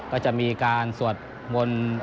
แล้วก็จะมีการสวดมนตร์เจริญชัยมงคลคาถา